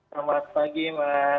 selamat pagi mas